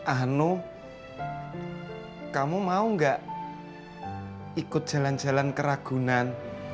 ano kamu mau gak ikut jalan jalan ke ragunan